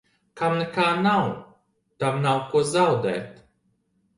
Kam nekā nav, tam nav ko zaudēt.